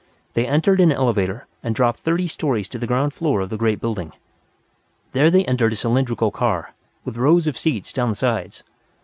They entered an elevator and dropped thirty stories to the ground floor of the great building. There they entered a cylindrical car, with rows of seats down the sides.